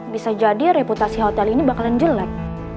bisa jadi reputasi hotel ini bakalan jelek